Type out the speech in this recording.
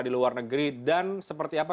di luar negeri dan seperti apa